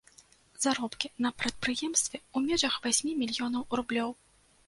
Заробкі на прадпрыемстве ў межах васьмі мільёнаў рублёў.